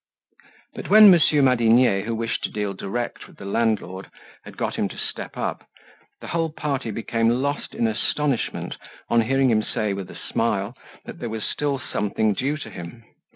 But when Monsieur Madinier, who wished to deal direct with the landlord, had got him to step up, the whole party became lost in astonishment on hearing him say with a smile that there was still something due to him.